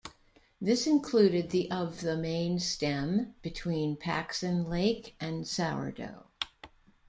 This included the of the main stem between Paxson Lake and Sourdough.